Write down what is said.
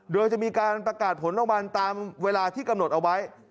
โดยจะมีการประกาศผลรางวัลตามเวลาที่กำหนดเอาไว้